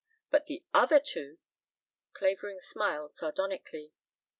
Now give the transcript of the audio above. But the other two! Clavering smiled sardonically.